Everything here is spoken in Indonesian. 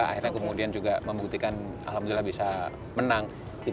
akhirnya kemudian juga membuktikan alhamdulillah bisa menang